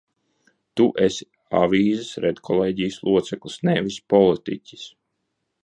Tu esi avīzes redkolēģijas loceklis, nevis politiķis!